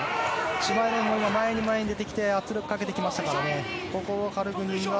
シュマイロフが前に出てきて圧力をかけてきましたから。